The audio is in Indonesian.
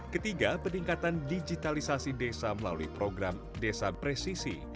ketiga peningkatan digitalisasi desa melalui program desa presisi